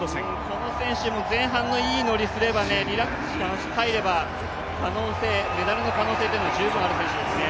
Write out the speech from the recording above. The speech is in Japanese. この選手も前半のいい乗り、リラックスして入ればメダルの可能性は十分ある選手ですね。